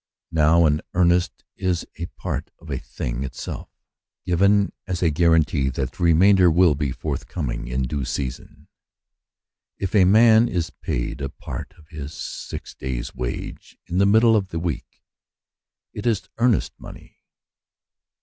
Now an earnest is a part of the thing itself, given as a guarantee that the remainder will be forthcoming in due season. If a man is paid a part of his six Promises in Possession Through the Spirit. 123 ^ays' wage in the middle of the week, it is earnest money.